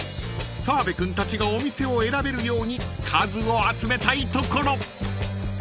［澤部君たちがお店を選べるように数を集めたいところ］